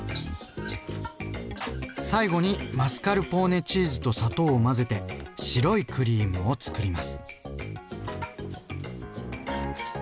最後にマスカルポーネチーズと砂糖を混ぜて「白いクリーム」をつくります。